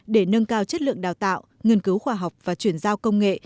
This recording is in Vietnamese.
để nâng cao chất lượng đào tạo nghiên cứu khoa học và chuyển giao công nghệ